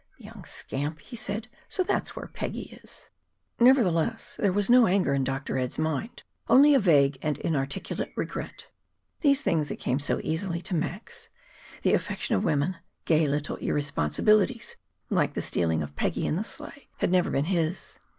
"The young scamp!" he said. "So that's where Peggy is!" Nevertheless, there was no anger in Dr. Ed's mind, only a vague and inarticulate regret. These things that came so easily to Max, the affection of women, gay little irresponsibilities like the stealing of Peggy and the sleigh, had never been his.